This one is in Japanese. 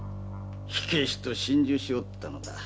火消しと心中しおったのだ。